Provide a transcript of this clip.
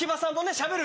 しゃべる